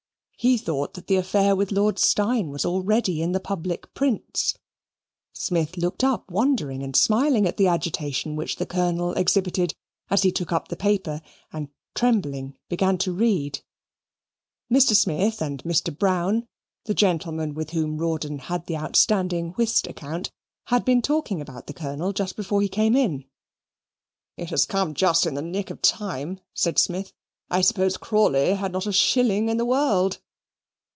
He thought that the affair with Lord Steyne was already in the public prints. Smith looked up wondering and smiling at the agitation which the Colonel exhibited as he took up the paper and, trembling, began to read. Mr. Smith and Mr. Brown (the gentleman with whom Rawdon had the outstanding whist account) had been talking about the Colonel just before he came in. "It is come just in the nick of time," said Smith. "I suppose Crawley had not a shilling in the world."